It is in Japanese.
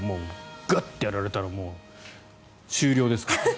ガッとやられたら、もう終了ですから。